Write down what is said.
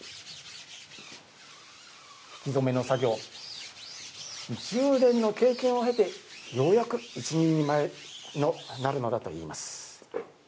引染の作業、１０年の経験を経てようやく一人前になるのだといいます。